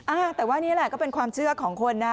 อ่าแต่ว่านี่แหละก็เป็นความเชื่อของคนนะ